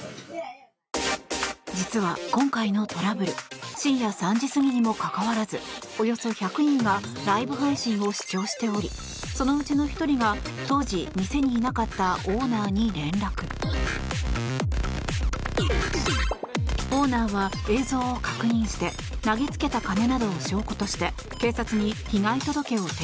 実は、今回のトラブル深夜３時過ぎにもかかわらずおよそ１００人がライブ配信を視聴しておりそのうちの１人が当時店にいなかったオーナーに連絡。